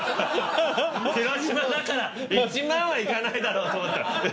広島だから１万はいかないだろうと思ったら「ええ！？」